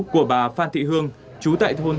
của bà phan thị hương chú tại thôn